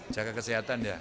jaga kesehatan ya